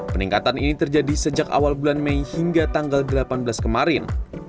peningkatan ini terjadi sejak awal bulan mei hingga tanggal delapan belas kemarin